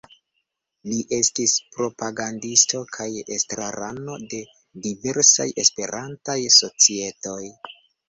Li estis propagandisto kaj estrarano de diversaj Esperantaj societoj.